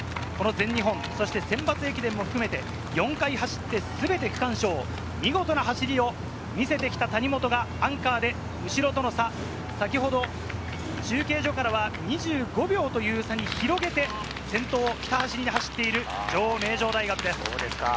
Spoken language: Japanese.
これまで、この全日本選抜駅伝も含めて４回走って全て区間賞、見事な走りを見せてきた谷本がアンカーで後ろとの差、先ほど中継所からは２５秒という差に広げて先頭をひた走っている女王・名城大学です。